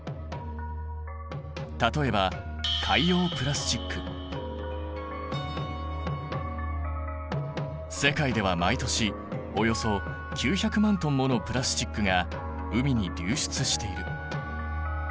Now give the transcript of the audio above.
例えば世界では毎年およそ９００万トンものプラスチックが海に流出している。